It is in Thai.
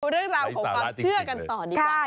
เรื่องราวของความเชื่อกันต่อดีกว่า